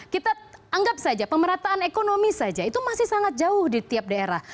kita anggap saja pemerataan ekonomi saja itu masih sangat jauh di tiap daerah